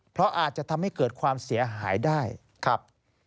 เพราะอาจจะทำให้เกิดความเสียหายได้ครับ